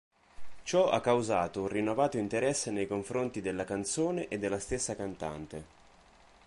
Ciò ha causato un rinnovato interesse nei confronti della canzone e dalla stessa cantante.